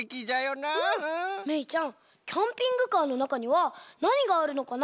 めいちゃんキャンピングカーのなかにはなにがあるのかな？